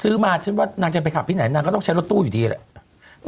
มาฉันว่านางจะไปขับที่ไหนนางก็ต้องใช้รถตู้อยู่ดีแหละ